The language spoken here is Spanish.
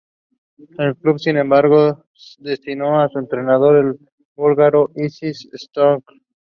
El club, sin embargo destituyó a su entrenador, el búlgaro Hristo Stoichkov.